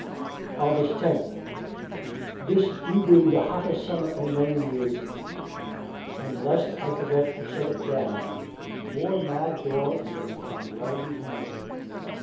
August tenth This do be the hottest summer in many years and lest I forget to set it down more mad dogs than can well be handled.